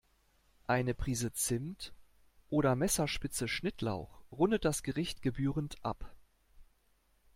Eine Prise Zimt oder Messerspitze Schnittlauch rundet das Gericht gebührend ab.